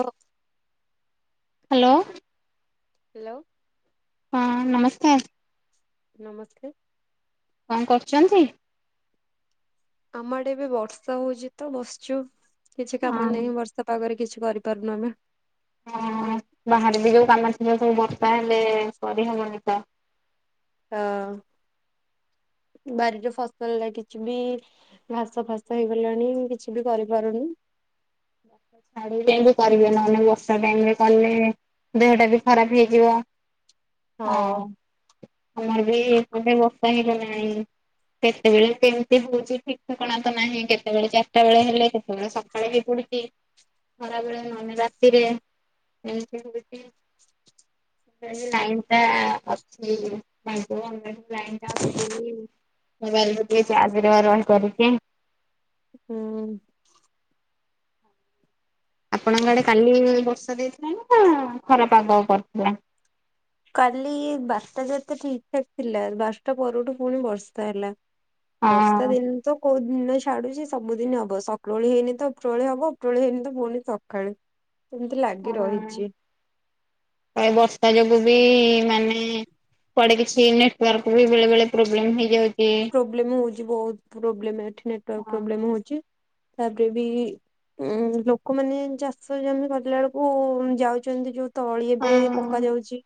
ହୋ hello. Hello. ହଁ ନମସ୍କାର। ନମସ୍କାର। କଣ କରୁଛନ୍ତି? ଆମ ଆଡେ ଏବେ ବର୍ଷା ହଉଛି ତ ବସିଛୁ କିଛି କାମ ହଁ ନାହିଁ ବ ର୍ଷା ପାଗରେ କିଛି କରିପାରୁନୁ ଆମେ। ହ ବାହାରେ ବି ଯୋଉ କାମ ଥିବ ସବୁ ବର୍ଷା ହେଲେ କରିହବନି ତ। ହ ବାରିରେ ଫସଲ କିଛି ବି। ଘାସ ଫାସ ହେଇଗଲାଣି କିଛି ବି କରିପାରୁନି। ଛାଇ ଟାଇମ ବି କରିବେ ନହେଲେ ବର୍ଷା ଟାଇମରେ କଲେ ଦେହଟା ବି ଖରାପ ହେଇଯିବ। ଆଉ ହଁ। ଆମର ବି ଏପଟେ ଘଣ୍ଟେବର୍ଷା ହେଇଗଲାଣି। କେତେବେଳେ କେମିତି ହଉଛି ଠିକ ଠିକଣା ତ ନାହିଁ କେତେବେଳେ ଚାରିଟା ବେଳେ ହେଲେ କେତେବେଳେ ସକାଳେ ବି ପଡୁ ଛି ଖରାବେଳେ ନହେଲେ ରାତିରେ ଏମିତି ହଉଛି। [unintelligible] ଲାଇନ୍ ଟା ଅଛି। [unintelligible] ଲାଇନ୍ ଟା ଅଛିବୋଲି ମୋବାଇଲରେ ଟିକେ ଚାର୍ଜରେ ରହିପାରଛି। ହୁଁ। ଆପଣଙ୍କ ଆଡେ କାଲି ବର୍ଷା ଦେଇଥିଲାନା ଖରା ପାଗ କରିଥିଲା? କାଲି ବାରଟା ଯେତେ ଠିକ ଠାକ ଥିଲା ବାରଟା ପରଠୁ ପୁଣି ବର୍ଷା ହେଲା। ବର୍ଷା ଦିନ ତ କୋଉ ଦିନ ଛାଡୁଛି ସବୁଦିନ ହବ ସକରଓଳି ହେଇନି ତ ଉପରଓଳି ହବ ଉପରଓଳି ହେଇନି ତ ପୁଣିି ସକାଳେ। ସେମିତି ଲାଗି ରହିଛି। କାଇଁ ବର୍ଷା ଯୋଗୁ ବି ମାନେ କୁଆଡେ କିଛି ନେଟୱାର୍କ ବି ବେଳେ ବଳେ ପ୍ରୋବ୍ଲେମ ହେଇଯାଉ ପ୍ରୋବ୍ଲେମ ହଉଛି ବହୁତ ପ୍ରୋବ୍ଲେମ୍ ଏଠି ନେଟୱର୍କ ହଁ ପ୍ରୋବ୍ଲେମ ହଉଛି ତାପରେ ବି ଉଁ ଲୋକମାନେ ଚାଷ ଜମି କରିଲା ବେଳକୁ ଯାଉଛନ୍ତି ଯୋଉ ତଳି ଏବେ ପକା ହୁଁ। ଯାଉଛି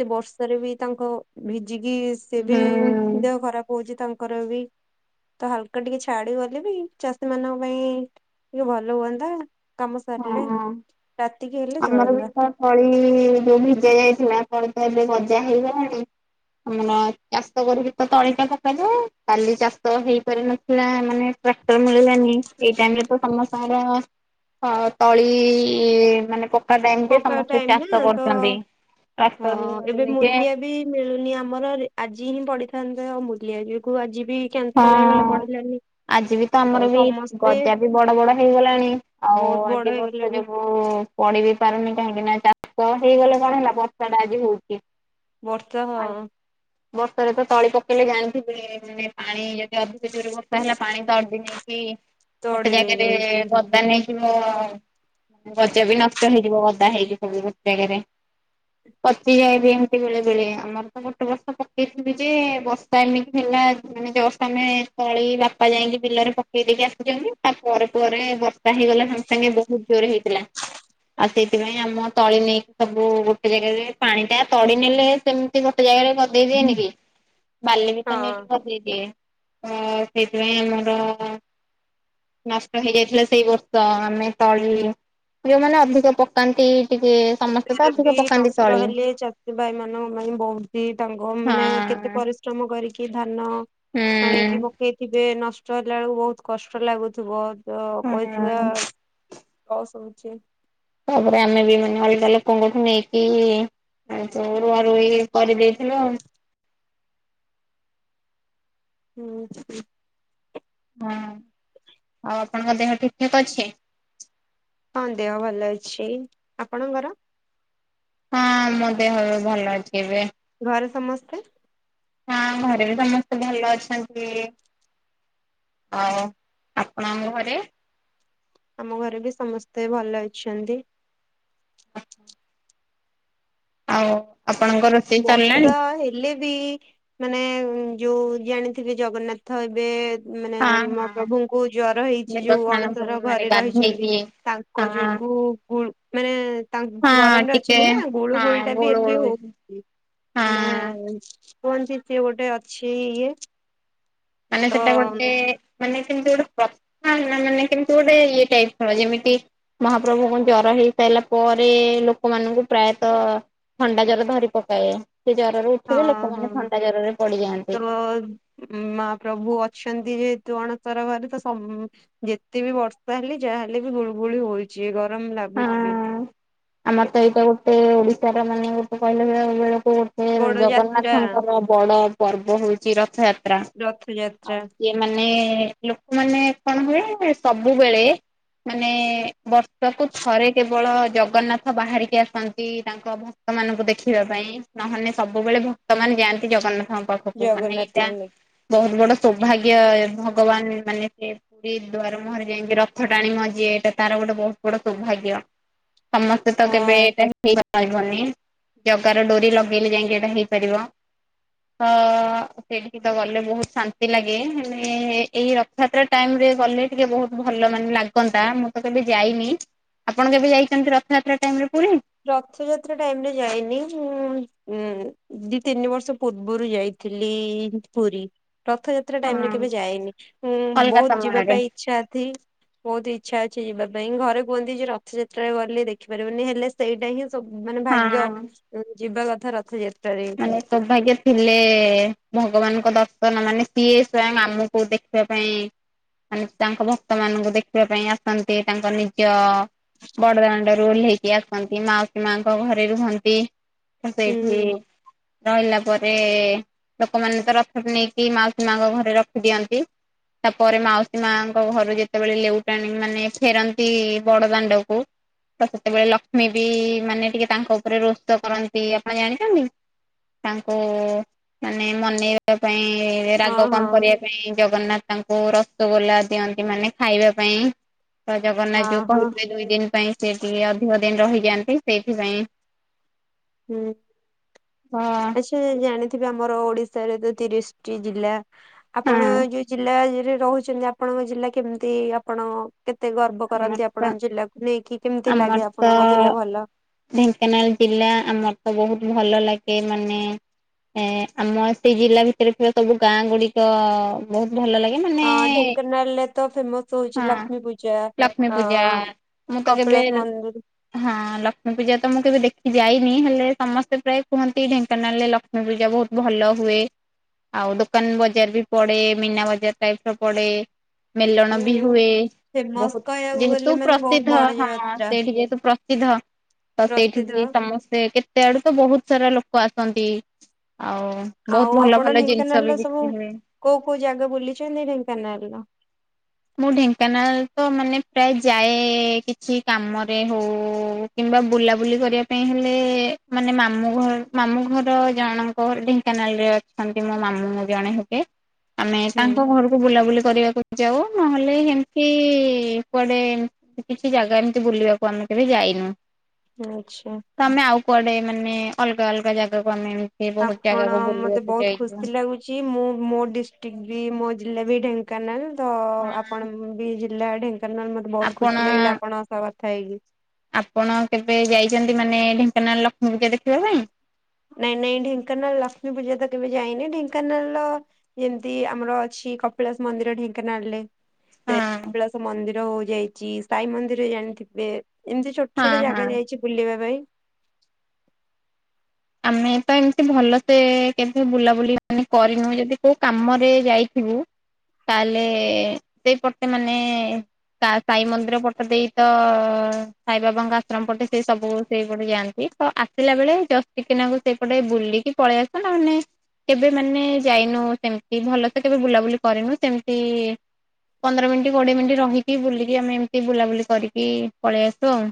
ସେ ବର୍ଷାରେ ବି ତାଙ୍କ ଭିଜିକି ସେ ବି ଦେହ ଖରାପ ହଉଛି ତାଙ୍କର ବି। ତ ହାଲକା ଟିକେ ଛାଡି ଗଲେ ବି ଚାଷୀ ମାନଙ୍କ ପାଇଁ ଟିକେ ଭଲ ହୁଅନ୍ତା। କାମ ସାରିଲେ ହଁ ରାତିକି ହେଲେ ଆମର ବି ଚଳନ୍ଦା। ତ ତଳି ଯୋଉ ଭିଜା ଯାଇଥିଲା କଣ ତ ଏବେ ଗଜା ହେଇଗଲାଣି? ଆମର ଚାଷ କରିକି ତ ତଳିଟା ପକାଯାଏ କାଲି ଚାଷ ହେଇପାରିନଥିଲା ମାନେ ଟ୍ରାକ୍ଟର ମିଲିଲାନି ଏଇ ଟାଇମିରେ ତ ସମସ୍ତଙ୍କର ହ ତଳି ମାନେ ପ କା ଟାଇମ ଯେ ପକା ସମସ୍ତେ ଟାଇମ ଚାଷ ନା ତ କରୁଛନ୍ତି ହଁ ଚାଷ ଏବେ ନିଜେ ମୂଲିଆ ବି ମିଳୁନି ଆମର ଆଜି ହିଁ ପଡିିଥାନ୍ତେ ଆଉ ମୁଲିଆ ଯୋଗୁ ଆଜି ବି କ୍ୟାନସଲ ହେଇଗଲା ହଁ ପଡିଲାଣିି। ଆଜି ବି ତ ଆମର ବି ଗଜା ବି ବଡ ବଡ ହେଇଗଲାଣି ଆଉ ବହୁତ ବଡ ଆଜି ବର୍ଷା ହେଇଗଲେଣି ଯୋଗୁ ପଡି ବିି ପାରୁନି କାହିଁକି ନା ଚାଷ ହେଇଗଲେ କଣ ହେଲା ବର୍ଷାଟା ଆଜି ହଉଛି! ବର୍ଷା ଆଉ ହଁ। ବର୍ଷାରେ ତଳି ପକେଇଲେ ଜାଣିଥିବେ ମାନେ ପାଣି ଯଦି ଅଧିକ ଜୋର ବର୍ଷା ହେଲା ପାଣି ତ ଅଡଦି ନେଇକି ଗୋଟେ ତଡି ଜାଗାରେ ନେଇଯାଉଛି ପ [inaudible] ଓଦା ନେଇଯିବ ଗଜା ବି ନଷ୍ଟ ହେଇଯିବ ଓଦା ହେଇଯିବ ବି ଗୋଟେ ଜାଗାରେ। [unintelligible] ପଚିଯାଏବି ଏମିତି ବେଳେ ବେେଳେ ଆମର ତ ଗୋଟେ ବର୍ଷ ପକେଇଥିଲି ଯେ ବର୍ଷା ଏମିତି ହେଲା। ମାନେ ଜଷ୍ଟ୍ ଆମେ ତଳି ବାପା ଯାଇକି ବିଲରେ ପକେଇ ଦେଇକି ଆସିଛନ୍ତି ତା ପରେ ପରେ ବର୍ଷା ହେଇଗଲା ସମ ସାଙ୍ଗେ ବହୁତ ଜୋରେ ହେଇଥିଲା। ଆଉ ସେଇଥିପାଇଁ ଆମ ତଳି ନେଇକି ସବୁ ଗୋଟେ ଜାଗାରେ ପାଣିଟା ତଡି ନେଲେ ସେମ୍ ଗୋଟେ ଜାଗାରେ ଗଦେଇଦିଏନି କି ବାଲି ବି ତ ନେଇକି। ହଁ ସେ ଦିଏ ସେଇଥିପାଇଁ ଆମର ନଷ୍ଟ ହେଇଯାଇଥିଲା ସେଇ ବର୍ଷ ଆମେ ତଳି ଝିଅମାନେ ଅଧିକ ପକାନ୍ତି ଟିକେ। ସମସ୍ତେ ତ ଏତରେ ବି ଅଧିକ ପକାନ୍ତି ନଷ୍ଟ ତଳି ହେଲେ ଚାଷୀ ଭାଇ ମାନଙ୍କ ପାଇଁ ବହୁତି ତାଙ୍କ ମାନେ କେତେ ହଁ। ପରିଶ୍ରମ। ଶ୍ରମ କରିକି ଧାନ। ହୁଁ ଆଣିକି ପକେଇଥିବେ ନଷ୍ଟ ହେଲା ବେଳକୁ ବହୁତ କଷ୍ଟ ଲାଗୁଥିବ ତ କହିଥିବା ହୁଁ। କସୁଛି [unintelligible] ତାପରେ ଆମେ ବି ମାନେ ଅଲଗା ଲୋକଙ୍କଠୁ ନେଇକି ଆଉ ତୁ ରୁଆ ରୁଇ କରିଦେଇଥିଲ ହୁଁ ହଁ ଆଉ ଆପଣଙ୍କ ଦେହ ଠିକ ଠାକ୍ ଅଛି ହଁ ଦେହ ଭଲ ଅଛି ଆପଣଙ୍କର ହଁ ମୋ ଦେହର ଭଲ ଅଛି ଏବେ ଘରେ ସମସ୍ତେ ହଁ ଘରେ ବି ସମସ୍ତେ ଭଲ ଅଛନ୍ତି ଆଉ ଆପଣଙ୍କ ଘରେ ଆମ ଘରେ ବି ସମସ୍ତେ ଭଲ ଅଛନ୍ତି ଆଉ ଆପଣଙ୍କ ରୋଷେଇ ବର୍ଷା ଚାଲ୍ଣି ହେଲେ ବି ମାନେ ଯୋଉ ଜାଣିଥିବେ ଜଗନ୍ନାଥ ଏବେ ମାନେ ହଁ ମୋ ହଁ ପ୍ରଭୁଙ୍କୁ ଜ୍ଵର ହେଇଛି ଯୋଉ ଦେବସ୍ନାନ ଅଣସର ପୂର୍ଣ୍ଣିମାରେ ଘରେ ରହିଛନ୍ତି ଗାଧେଇକି ତାଙ୍କ ହଁ ଯୋଗୁ ଗୁଳ ମାନେ ତା ହଁ ଗରମରେ ଟିକେ ଅଛନ୍ତି ନା ଗୁଳୁ ଗୋଳି ହଁ ଟା ବି ଗୋଳୁ କି ଗୋଳୁ ହ ହଉଛି ମାନେ ହଁ। କହନ୍ତି ସଏ ଗୋଟେ ଅଛି ଇଏ ମାନେ ତ ସେଟା ଗୋଟେ ମାନେ କେମତି ଗୋଟେ କଥା ମାନେ କେମତି ଗୋଟେ ଇଏ ଟାଇପ ର ଯେମିତି ମହାପ୍ରଭୁଙ୍କୁ ଜ୍ଜୁର ହେଇସାରିଲା ପରେ ଲୋକମାନଙ୍କୁ ପ୍ରାୟତ ଥଣ୍ଡା ଜ୍ଜୁର ଧରି ପକାଏ ସେ ଜ୍ୱରରେ ହଁ ଉଠିଲେ ହଁ ଲୋକମାନେ ଥଣ୍ଡା ଜ୍ୱରରେ ତ ପଡିଯାଆନ୍ତି ମା ପ୍ରଭୁ ଅଛନ୍ତି ଯେହେତୁ ଅଣସର ଘରେ ତ ଯେତେ ବି ବର୍ଷା ହେଲେ ଯାହାହେଲେ ବି ଗୁଳୁ ଗୁଳି ହଉଛି ଗରମ ଲାଗୁଛି ଆମର ତ ଏଇଟା ଗୋଟେ ଓଡ଼ିଶାର ମାନେ ଗୋଟେ କହିଲା ବେ ବେଳକୁ ଗୋଟେ ବଡ ଯାତ୍ରା ଜଗନ୍ନାଥଙ୍କର ବଡ ପର୍ବ ହଉଛି ରଥଯାତ୍ରା ରଥଯାତ୍ରା ଇଏ ମାନେ ଲୋକମାନେ କଣ ହୁଏ ସବୁବେଳେ ମାନେ ବର୍ଷକୁୁ ଥରେ କେବଳ ଜଗନ୍ନାଥ ବାହାରିକି ଆସନ୍ତି ତାଙ୍କ ଭ ତ ମାନଙ୍କୁ ଦେଖିବା ପାଇଁ ନହେନେ ସବୁବେଳେ ଭକ୍ତମାନେ ଯାଆନ୍ତି ଜଗନ୍ନାଥଙ୍କ ପା ଖକୁ। ମାନେ ଏଇଟା ଜଗନ୍ନାଥଙ୍କୁ ନେଇ ବହୁତ ବଡ ସୌଭାଗ୍ୟ ଭଗବାନ ମାନେ ସେ ରୀ ଦୁଆାର ମୁହରେ ଯାଇଁକି ରଥ ଟାଣିମ ଯିଏ ଏଟା ତାର ଗୋଟେ ବହୁତ ବଡ ସୌଭାଗ୍ୟ। ସମସ୍ତେ ତ କେବେ ହଁ। ଏଇଟା [inaudible] କହିବନି, ଜଗାର ଡୋରି ଲଗେଇଲେ ଯାଇଁକି ଏଇଟା ହେଇପାରିବ। ତ ସେଇଠିକି ତ ଗଲେ ବହୁତ ଶାନ୍ତି ଲାଗେ। ହେଲେ ଏଇ ରଥଯାତ୍ରା ଟାଇମ ରେ ଗଲେ ଟିକେ ବହୁତ ଭଲ ମାନେ ଲାଗନ୍ତା, ମୁଁ ତ କେବେ ଯାଇନି ଆପଣ କେବେ ଯାଇଛନ୍ତି ରଥଯାତ୍ରା ଟାଇମ ରେ ପୁରୀ? ରଥଯାତ୍ରା ଟାଇମ ରେ ଯାଇନି। ମୁଁ ଉଁ ଦି ତିନି ବର୍ଷ ପୂର୍ବରୁ ଯାଇ ଥିଲି ପୁରୀ। ରଥଯାତ୍ରା ଟାଇମ ରେ ହଁ କେବେ ଯାଏନି, ଉଁ ଅଲଗା ବହୁତ ଯିବା ସମୟରେ ପାଇଁ ଚ୍ଛା ଥି ବହୁତ ଇଚ୍ଛା ଅଛି ଯିବା ପାଇଁ। ଘରେ କୁହନ୍ତି ଯେ ରଥଯାତ୍ରାରେ ଗଲେ ଦେଖିପାରିବନି ହେଲେ ସେଇଟା ହିଁ ସ ମାନେ ଭାଗ୍ୟ, ହଁ ଯିବା କଥା ରଥଯାତ୍ରାରେ। ସେ ସୌଭାଗ୍ୟ ଥିଲେ ଭଗବାନଙ୍କ ଦର୍ଶନ ମାନେ ସିଏ ସ୍ଵୟଂ ଆମକୁ ଦେ ଖିବା ପାଇଁ ମାନେ ତାଙ୍କ ଭକ୍ତ ମାନଙ୍କୁ ଦେଖିବା ପାଇଁ ଆସନ୍ତି। ତାଙ୍କ ନିଜ ବଡଦାଣ୍ଡରୁ ଓହ୍ଲେଇକି ଆସନ୍ତି, ମାଉସୀ ମାଙ୍କ ଘରେ ରୁହନ୍ତି। ତ ସେଇଠି ହୁଁ। ରହିଲା ପରେ, ଲୋକମାନେ ତ ରଥ ନେଇକି ମାଉସୀ ମାଙ୍କ ଘରେ ରଖିଦିଅନ୍ତି। ତାପରେ ମାଉସୀ ମାଙ୍କ ଘରୁ ଯେତେବେଳେ ଲେଉଟାଣି ମାନେ ଫେରନ୍ତି ବଡ ଦାଣ୍ଡକୁ ତ ସେତେବେଳେ ଲକ୍ଷ୍ମୀ ବି ମାନେ ଟିକେ ତାଙ୍କ ଉପରେ ରୋଷ କରନ୍ତି, ଆପଣ ଜାଣିଛନ୍ତି? ତାଙ୍କୁ ମାନେ ମନେଇବା ପାଇଁ ହଁ ରାଗ ହଁ କମ୍ କରିବା ପାଇଁ ଜଗନ୍ନାଥ ତାଙ୍କୁ ରସଗୋଲା ଦିଅନ୍ତି, ମାନେ ଖାଇବା ପାଇଁ। ତ ଜଗନ୍ନାଥ ହଁ ଯୋଉ ହଁ କହିିବଥିଲେ ଦୁଇ ଦିନ ପାଇଁ ସେି ଟିକେ ଅଧିକ ଦିନ ରହିଯାଆନ୍ତି ସେଇଥିପାଇଁ ହୁଁ ହଁ ସେ ଜାଣିଥିବେ ଆମର ଓଡିଶାରେ ତ ତିରିଶଟି ଜିଲ୍ଲା। ଆପଣ ହଁ ଯୋଉ ଜିଲ୍ଲା ରେ ରହୁଛନ୍ତି, ଆପଣଙ୍କ ଜିଲ୍ଲା କେମିତି ଆପଣ କେତେ ଗର୍ବ ଆମର କରନ୍ତି ତ ଆପଣଙ୍କ ଜିଲ୍ଲାକୁ ନେଇକି, କେମିତି ଆମର ଲାଗେ ତ ଆପଣଙ୍କ ଜିଲ୍ଲା ଭଲ? ଢେଙ୍କାନାଳ ଜିଲ୍ଲା, ଆମର ତ ବହୁତ ଭଲ ଲାଗେ ମାନେ ଏ ଆମ ସେଇ ଜିଲ୍ଲା ଭିତରେ ଥିବା ସବୁ ଗାଁ ଗୁଡିକ ବହୁତ ଭଲ ଲାଗେ ମାନେ ହଁ ଢେଙ୍କାନାଳରେ ତ ଫେମସ ହୋଉଛି ହଁ ଲକ୍ଷ୍ମୀ ପୂଜା, ଲକ୍ଷ୍ମୀ ପୂଜା ଅଁ ମୁଁ ତ କେବେ କପିଳାସ ମନ୍ଦିର ହଁ ଲକ୍ଷ୍ମୀ ପୂଜା ତ ମୁଁ କେବେ ଦେଖିଯାଇନି, ହେଲେ ସମସ୍ତେ ପ୍ରାୟ କୁହନ୍ତି ଢେଙ୍କାନାଳରେ ଲ କ୍ଷ୍ମୀ ପୂଜା ବହୁତ ଭଲ ହୁଏ। ଆଉ ଦୋକାନ ବଜାର ବି ପଡେ ମୀନା ବଜାର ଟାଇପର ପଡେ ମେଲଣ ବି ହୁଁ। ହୁଏ ଫେମସ ବହୁତ, କହିବାକୁ ଯେହେତୁ ଗଲେ ମାନେ ବହୁତ ପ୍ରସିଦ୍ଧ ବଡ ହଁ ଯାତ୍ରା ସେଇଠି ଯେହେତୁ ପ୍ର ସିଧ ତ ସେଇଠିକି ପ୍ରସିଦ୍ଧ। ସମସ୍ତେ କେ ତେ ଆଡୁ ତ ବହୁତ ସାରା ଲୋକ ଆସନ୍ତି। ଆଉ ଆଉ ବହୁତ ଭଲ ଆପଣ ଭଲ ଜିନିଷ ବି ଢେଙ୍କାନାଳର ସବୁ ବିକ୍ରି ହୁଏ। କୋଉ କୋଉ ଜାଗା ବୁଲିଛନ୍ତି ଢେଙ୍କାନାଳର? ମୁଁ ଢେଙ୍କାନାଳ ତ ମାନେ ପ୍ରାୟ ଯାଏ କିଛି କାମରେ ହଉ କିମ୍ବା ବୁଲାବୁଲି କରିବା ପାଇଁ ହେଲେ, ମାନେ ମାମୁଁ ଘ ମାମୁଁ ଘର ଜଣଙ୍କ ଘର ଢେଙ୍କାନାଳରେ ଅ ଛନ୍ତି ମୋ ମାମୁଁଁ ଜଣେ ହେବେ, ଆମେ ହୁଁ ତାଙ୍କ ଘରକୁ ବୁଲାବୁଲି କରିବାକୁ ଯାଉ। ନହେଲେ ହେମିତି କୁଆଡେ କି କିଛି ଜାଗା ଏମିତି ବୁଲିବାକୁ ଆମେ କେବେ ଯାଇନୁ। ଆଚ୍ଛା। ତମେ ଆଉ କୁଆଡ଼େ ମାନେ ଅଲ୍ଗା ଅଲ୍ଗା ଜାଗାକୁ ଆମେ ଏମିତି ବୋହୁତ୍ ଜାଗାକୁ ବୁଲିବାକୁ ଯାଇଥିଲ। ଚି ମୁଁ ମୋ ଡ଼ିଷ୍ଟିକ୍ ବି ମୋ ଜିଲ୍ଲା ବି ଢ଼େଙ୍କାନାଲ୍ ଦ ହଁ ଆପଣ ବି ଜି ଜିଲ୍ଲା ଢ଼େଙ୍କାନାଳ ମୋତେ ବହୁତ୍ ଆପଣ ଖୁସି ଲାଗିଲା ଆପଣସ କଥା ହେଇକି। ଆପଣ କେବେ ଯାଇଚନ୍ତି ମାନେ ଢ଼େଙ୍କାନାଲ୍ ଲକ୍ଷ୍ମୀ ପୂଜା ଦେଖିବା ପାଇଁ? ନାଇଁ ନାଇଁ ଢ଼େଙ୍କାନାଲ ଲକ୍ଷ୍ମୀ ପୂଜା ତ କେବେ ଯାଇନି ଢ଼େଙ୍କାନାଁଲ ଯେମ୍ତି ଆମର ଅଛି କପିଳାସ ମନ୍ଦିର ଢ଼େଙ୍କାନାଲରେ। ପେ ହଁ। କପିଳାଶ ମନ୍ଦିର ହୋଉ ଯାଇଚି। ସାଇ ମନ୍ଦିର ଜାଣିଥିବେ? ଏମ୍ତି ଛୋଟ୍ ହଁ ଛୋଟ ହଁ। ଜାଗା ଯାଇଛି ବୁଲିବା ପାଇଁ। ଆମେ ଏପାଇଁ ଏମିତି ଭଲସେ କେବେ ବୁଲାବୁଲି ମାନେ କରିନୁ ଯଦି କୋଉ କାମରେ ଯାଇଥିବୁ ତାଲେ ସେଇପଟେ ମାନେଏଁ ତା ସାଇ ମନ୍ଦିର ପଟ ଦେଇ ତ ସାଇ ବାବାଙ୍କ ଆଶ୍ରମ ପଟେ ସେଇ ସବୁ ସେଇପଟେ ଯାଆନ୍ତି। କ ଆସିଲା ବେଳେ ଯସ୍ ଟିକେନାଙ୍ଗୁ ସେଇପଟେ ବୁଲିକି ପଳେଇ ଆସିଥାନ୍ତା ମାନେ? କେବେ ମାନେ ଯାଇନୁ ସେମ୍ତି ଭଲସେ କେବେ ବୁଲାବୁଲି କରିନୁ ସେମିତି ପନ୍ଦର ମିନ୍ଟି କୋଡ଼ିଏ ମିନ୍ଟି ରହିକି ବୁଲିକି ଆମେ ଏମ୍ତି ବୁଲାବୁଲି କରିକି ପଳେଇ ଆସୁ ଆଉ।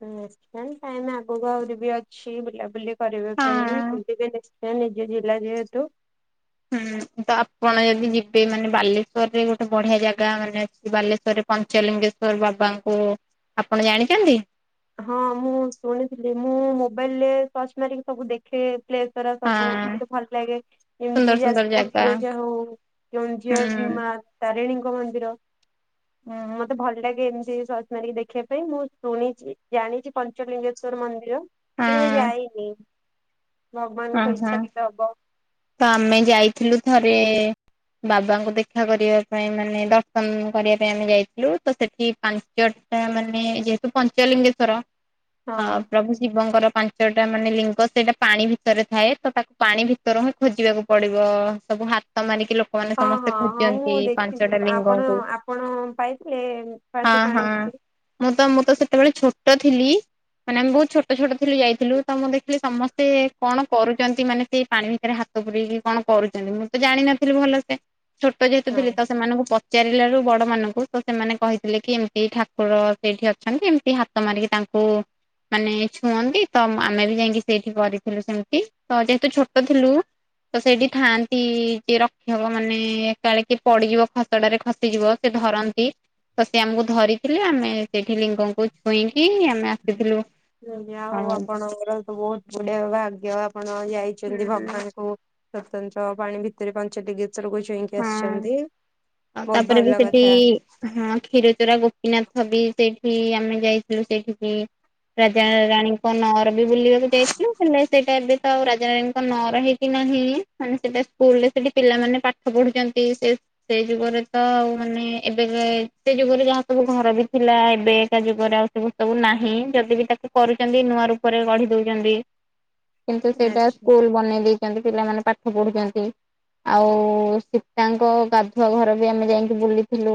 [unintelligible] ଟାଇଁମି ଆଗକୁ ଆହୁରି ବି ଅଛି ବୁଲାବୁଲି କରିବା ପାଇଁ ଆଉ। ବୁଲିବେ ନି ସେ ନିଜେ ଜିଲ୍ଲା ଯେହେତୁ ହୁଁ ତ ଆପଣ ଯଦି ଯିବେ ମାନେ ବାଲିକରେ ଗୋଟେ ବଢ଼ିଆ ଜାଗା ମାନେ ଅଛି ବାଲେଶ୍ୱରେ। ପଞ୍ଚଲିଙ୍ଗେଶ୍ଵର ବାବାଙ୍କୁ ଆପଣ ଜାଣିଚନ୍ତି? ହଁ ମୁଁ ଶୁଣିଥିଲି। ମୁଁ ମୋବାଇଲେ ସର୍ଚ୍ଚ ମାରିକି ସବୁ ଦେଖେ। ପ୍ଲେ ତରା ସବୁ ହଁ ମତେ ଫାଲ୍ ଲାଗେ ଇଏ ଏମ୍ତି ସୁନ୍ଦର ସୁନ୍ଦର ଯାସ୍ପୁର୍ ଜାଗା ବିରଜା ହଉ। ଯୋନ୍ ହୁଁ ଝିଅଙ୍କୁ ମାର୍ ତାରିଣୀଙ୍କ ମନ୍ଦିର ହୁଁ ମତେ ଭଲ୍ ଲାଗେ ଏମ୍ତି ସଚ୍ ମାରିକି ଦେଖିୟା ପାଇଁ। ମୋଇ ଶୁଣିଛି ଜାଣିଚି ପାଞ୍ଚଲିଙ୍ଗେଶ୍ଵର ମନ୍ଦିର? ହଁ ମୁଁ କେବେ ଯାଇନି। ଭଗ୍ବାନଙ୍କ ଓହୋ ଇଚ୍ଛା କେତେ ଅବ। ତ ଆମେ ଯାଇଥିଲୁ ଥରେ। ବାବାଙ୍କୁ ଦେଖା କରିବା ପାଇଁ ମାନେ ଦର୍ଶନ୍ କରିବା ପାଇଁ ଆମେ ଯାଇଥିଲୁ ତ ସେଠି ପାଞ୍ଚ ତା ମାନେ ଯେହେତୁ ପାଞ୍ଚାଲିଙ୍ଗେଶ୍ଵର। ହଁ ପ୍ରଭୁ ଶିବଙ୍କର ପାଞ୍ଚଟା ମାନେ ଲିଙ୍ଗ ସେଇଟା ପାଣି ଭି ଥରେ ଥାଏ ତ ତାକ୍ ପାଣି ଭିତରୁ ହିଁ ଖୋଜିବାକୁ ପଡ଼ିବ ସବୁ ହାତ ମାରିକି ଲ କୁଅନି ହଁ ସମସ୍ତେ ହଁ ହଁ ମୁଁ ଖୋଜନ୍ତି ଦେଖିଛି ପାଞ୍ଚଟା ଆପଣ ଲିଙ୍ଗଙ୍କୁ ଆପଣ ପାଇଥିଲେ ହଁ ସେ ହଁ। ପାଣି ଭିତରୁ ମୁଁତ ମୁଁତ ସେତେବେଳେ ଛୋଟ ଥିଲି। ମାନେ ଆମେ ବହୁତ୍ ଛୋଟ ଛୋଟ ଥିଲୁ ଯାଇଥିଲୁ। ତ ମୁଁ ଦେଖିଲି ସମସ୍ତେ କଣ କରୁଚନ୍ତି ମାନେ ସେଇ ପାଣି ଭିତରେ ହାତ ପୁରେଇକି କଣ କରୁଚନ୍ତି। ମୁଁ ତ ଜାଣିନଥିଲି ଭଲ ସେ? ଛୋଟ ଯେହେତୁ ହଁ ଥିଲ ତସ୍ ସେମାନଙ୍କୁ ପଚାରିଲାରୁ ବଡ଼ମାନଙ୍କୁ ତ ସେମାନେ କହିଥିଲେ କି ଏମିତି ଠାକୁର ସେଇଠି ଅଛନ୍ତି। ଏମିତି ହାତ୍ ସେମାନିକି ତାଙ୍କୁ ମାନେ ଛୁଅନ୍ତି ତ ଆମେ ବି ଯାଇଁକି ସେଇଠି ଗରି ଥିଲୁ ସେମ୍ତି ତ ଯେହେତୁ ଛୋଟ ଥିଲୁ ତ ସେଇଠି ଥାଆଁନ୍ତି। ଯେ ରଖ୍ୟକ ମାନେ ଏକାଳେ କିଏ ପଡ଼ିଯିବ ଖ ତଡ଼ରେ ଖସିଯିବ ସେ ଧରନ୍ତି। ତ ସେ ଆମୁକୁ ଧରିଥିଲେ ଆମେ ସେଇଠି ଲିଙ୍ଗଙ୍କୁ ଛୁଇଁକି ଆମେ ଆସିଥିଲୁ। ଯଲ୍ ଯିହାଉ ଆଉ ଆପଣଙ୍କର ତ ବହୁତ୍ ପୁନ୍ୟ ଭାଗ୍ୟ ଆପଣ ଯାଇଛନ୍ତି ହଁ ଭଗବାନଙ୍କୁ ସ୍ୱତନ୍ତ୍ର ପାଣି ଭିତରେ ପାଞ୍ଚ ଡି ଗ୍ରୀ [unintelligible] ରୁ ଛଇକି ଆସି କେମ୍ମଧି ଆଉ ବହୁତ୍ ତାପରେ ବି ଭଲ ସେଠି କଥା। ହଁ କ୍ଷୀରଚୋରା ଗୋପୀନାଥ ବି ସେଇଠି ଆମେ ଯାଇଥିଲୁ ସେଇଠିକି। ରାଜା ରାଣୀ ନଅର ବି ବୁଲିବାକୁ ଯାଇଥିଲୁ ହେଲେ ସେଇଟା ଏବେ ତ ଆଉ ରାଜାରାଣୀଙ୍କ ନଅର ହେଇକି ନାହିଁ। ମାନେ ସେଟା ସ୍କୁଲରେ ସେଠି ପିଲାମାନେ ପାଠ ପଢୁଚନ୍ତି ସେ ସେ ଯୁଗରେ ତ ଆଉ ମାନେ ଏବେ ସେ ଯୁଗରେ ଯାହା ସବୁ ଘର ବି ଥିଲା ଏବେ ଏକା ଯୁଗରେ ଆଉ ସୁ ସବୁ ନାହିଁ ଯଦି ବି ତାକୁ କରୁଚନ୍ତି ନୂଆ ରୂପରେ ଗଢି ଦଉଚନ୍ତି। କିନ୍ତୁ ସେଇଟା ଆଚ୍ଛା। ସ୍କୁଲ ବନେଇ ଦେଇଚ ସେମିତି ପିଲାମାନେ ପାଠ ପଢୁଚନ୍ତି ଆଉ ତାଙ୍କ ଗାଧୁଆ ଘର ବି ଆମେ ଯାଇକି ବୁଲିଥିଲୁ।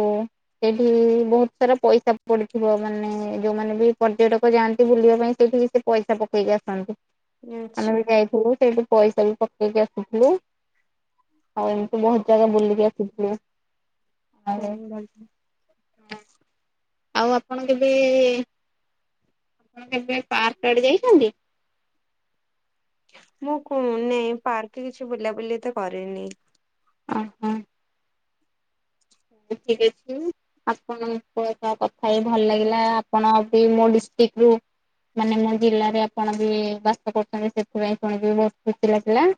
ସେଇଠି ବହୁତ ସାରା ପଇସା ପଡିଥିବ ମାନେ ଯୋଉମାନେ ବି ପର୍ଯ୍ୟଟକ ଯାଆନ୍ତି ବୁଲିବା ପାଇଁ ସେଇଠି ସେ ପଇସା ପକେଇକି ଆସନ୍ତି। ଆମେ ଆଚ୍ଛା ବି ଯାଇଥିଲୁ ସେଇଠି ପଇସା ବି ପକେଇ ଇକି ଆସିଥିଲୁ ଆଉ ଏମିତି ବହୁତ ଜାଗା ବୁଲିକି ଆସିଥିଲୁ। ହୁଁ ଆଉ ଭଲ। ଆଉ ଆପଣ କେବେ ଆପଣ କେବେ ପାର୍କ ଆଡେ ଯାଇଚନ୍ତି? ମୁଁ କୁ ନେଇ ପାର୍କରେ କିଛି ବୁଲାବୁଲି ତ କରିନି। ଓ ହୋଁ। ଯେତିକି ଅଛି। ଆପଣଙ୍କ କଥା ହେଇ ଭଲ ଲାଗିଲା। ଆପଣ ବି ମୋ ଡିଷ୍ଟ୍ରିକଟ ରୁ। ମାନେ ମୋ ଜିଲ୍ଲାରେ ଆପଣ ବି ବାସ କରୁଚନ୍ତି ସେଥିପାଇଁ ଶୁଣିବି ବହୁତ ଖୁସି ଲାଗିଲା।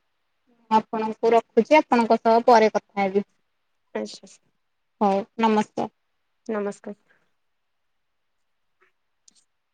ମୁଁ ଆପଣଙ୍କୁ ରଖୁଚି ଆପଣଙ୍କ ସହ ପରେ କଥା ହେବି। ଆଚ୍ଛା। ହଉ ନମସ୍କାର। ନମସ୍କାର।